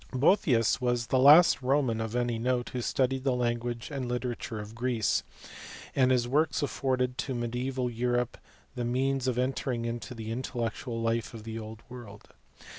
Boethius was the last Eoman of any note who studied the language and literature of Greece, and his works afforded to mediaeval Europe the means of entering into the intellectual life of the old world.